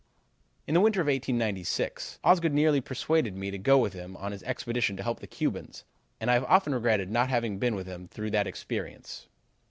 "In the winter of 1896, Osgood nearly persuaded me to go with him on his expedition to help the Cubans, and I have often regretted not having been with him through that experience.